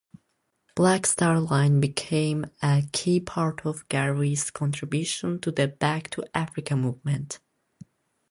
Black Star Line became a key part of Garvey's contribution to the Back-to-Africa movement.